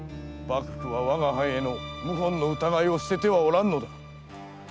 幕府は我が藩への謀反の疑いを捨ててはおらんのだ。